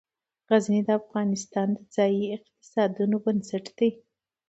غزني د افغانستان د ځایي اقتصادونو بنسټ دی.